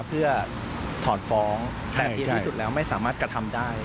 เพื่อถอนฟ้องแต่เพียงที่สุดแล้วไม่สามารถกระทำได้